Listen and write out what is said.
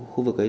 khu vực ấy